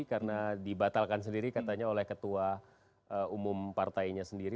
karena dibatalkan sendiri katanya oleh ketua umum partainya sendiri